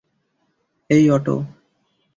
এই, অটো!